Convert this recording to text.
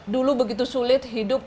dulu begitu sulit hidup